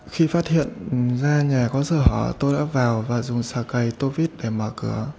khi phát hiện ra nhà có sở hỏa tôi đã vào và dùng xà cây tô vít để mở cửa